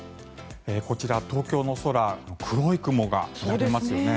こちら、東京の空黒い雲が広がっていますよね。